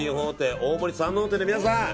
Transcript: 大森山王店の皆さん